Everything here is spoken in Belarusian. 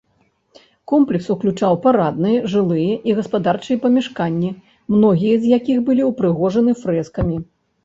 Комплекс уключаў парадныя, жылыя і гаспадарчыя памяшканні, многія з якіх былі ўпрыгожаны фрэскамі.